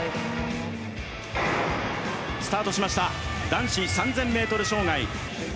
スタートしました男子３０００ｍ障害。